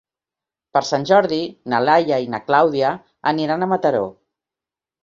Per Sant Jordi na Laia i na Clàudia aniran a Mataró.